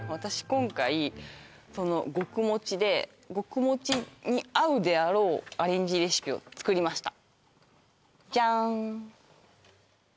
今回その極もちで極もちに合うであろうアレンジレシピを作りましたジャーン